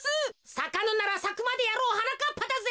さかぬならさくまでやろうはなかっぱだぜ。